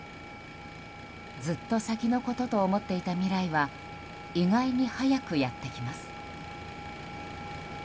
ずっと先のことと思っていた未来は意外に早くやってきます。